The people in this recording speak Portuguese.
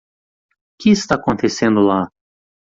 O que está acontecendo lá?